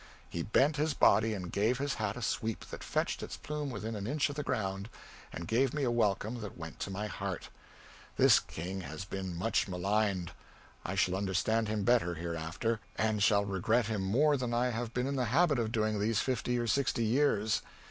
He bent his body and gave his hat a sweep that fetched its plume within an inch of the ground, and gave me a welcome that went to my heart. This king has been much maligned; I shall understand him better hereafter, and shall regret him more than I have been in the habit of doing these fifty or sixty years.